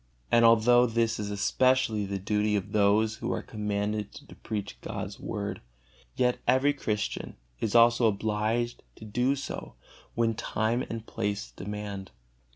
And although this is especially the duty of those who are commanded to preach God's Word, yet every Christian is also obligated to do so when time and place demand.